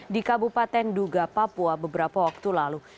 di kabupaten duga papua beberapa waktu lalu